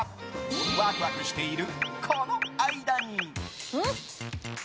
ワクワクしている、この間に。